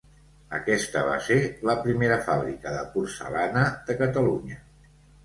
Aquesta va ser la primera fàbrica de porcellana de Catalunya.